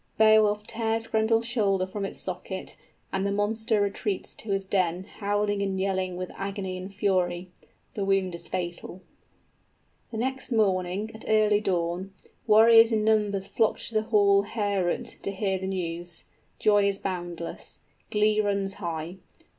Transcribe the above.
Beowulf tears Grendel's shoulder from its socket, and the monster retreats to his den, howling and yelling with agony and fury. The wound is fatal._ _The next morning, at early dawn, warriors in numbers flock to the hall Heorot, to hear the news. Joy is boundless. Glee runs high.